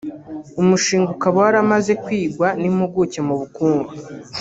umushinga ukaba waramaze kwigwa n’impuguke mu bukungu